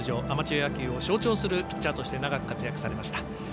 アマチュア野球を象徴するピッチャーとして長く活躍されました。